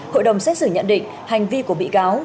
hội đồng xét xử nhận định hành vi của bị cáo